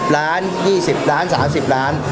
ล้าน๒๐ล้าน๓๐ล้าน